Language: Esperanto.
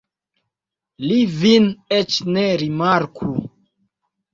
Li vin eĉ ne rimarku.